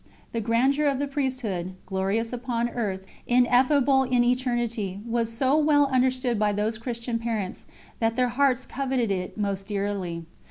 The grandeur of the Priesthood, glorious upon earth, ineffable in eternity, was so well understood by those Christian parents, that their hearts coveted it most dearly.